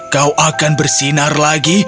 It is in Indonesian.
kau akan bersinar lagi